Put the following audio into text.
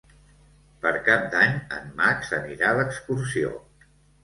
Per Cap d'Any en Max anirà d'excursió.